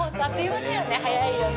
早いよね。